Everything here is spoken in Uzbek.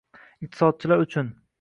iqtisodchilar uchun